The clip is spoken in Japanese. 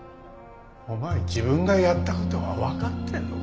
お前自分がやった事がわかってるのか？